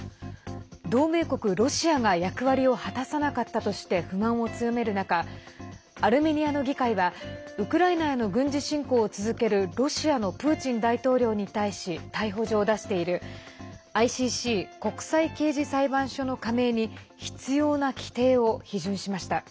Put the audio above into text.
同盟国ロシアが役割を果たさなかったとして不満を強める中アルメニアの議会はウクライナへの軍事侵攻を続けるロシアのプーチン大統領に対し逮捕状を出しているＩＣＣ＝国際刑事裁判所の加盟に必要な規定を批准しました。